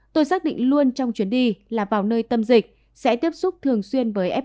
tôi xác định luôn trong chuyến đi là vào nơi tâm dịch sẽ tiếp xúc thường xuyên với f một